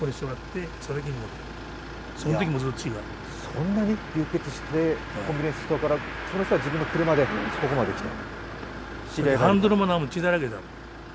そんなに流血してコンビニエンスストアから、その人は自分の車でここまで来た？